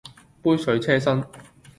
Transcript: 杯水車薪